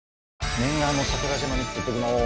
念願の桜島に行ってきます。